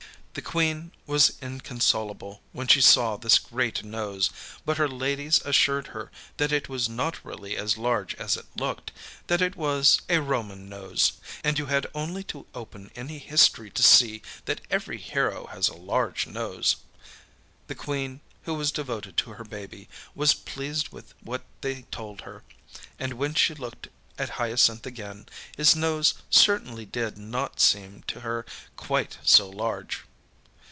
The Queen was inconsolable when she saw this great nose, but her ladies assured her that it was not really as large as it looked; that it was a Roman nose, and you had only to open any history to see that every hero has a large nose. The Queen, who was devoted to her baby, was pleased with what they told her, and when she looked at Hyacinth again, his nose certainly did not seem to her quite so large.